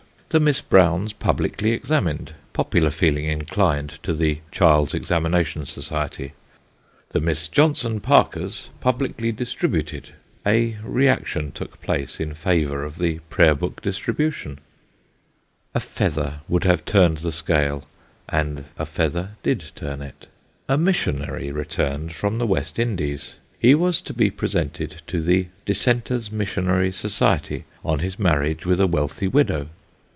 The Miss Browns publicly examined popular feeling inclined to the child's examination society. The Miss Johnson Parkers publicly distributed a reaction took place in favour of the prayer book distribution. A feather would have turned the scale, and a feather did turn it. A missionary returned from the West Indies ; he was to be presented to the Dissenters' Missionary Society on his marriage with a wealthy widow.